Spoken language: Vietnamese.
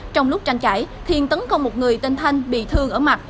trong lúc tranh cãi thiên tấn công một người tên thanh bị thương ở mặt